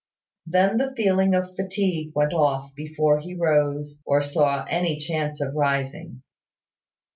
Then the feeling of fatigue went off before he rose, or saw any chance of rising.